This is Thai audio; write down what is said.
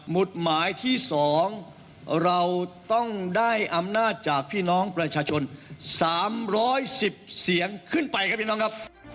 ุดหมายที่๒เราต้องได้อำนาจจากพี่น้องประชาชน๓๑๐เสียงขึ้นไปครับพี่น้องครับ